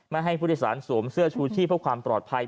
ให้ผู้โดยสารสวมเสื้อชูชีพเพื่อความปลอดภัย